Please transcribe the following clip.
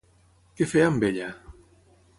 Què feia amb ella?